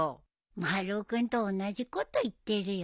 丸尾君と同じこと言ってるよ。